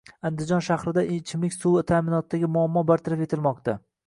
Andijon shahrida ichimlik suvi ta’minotidagi muammo bartaraf etilmoqda